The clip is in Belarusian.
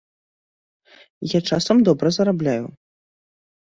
Я часам добра зарабляю.